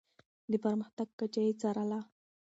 د پرمختګ کچه يې څارله.